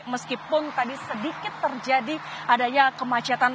meskipun tadi sedikit terjadi adanya kemacetan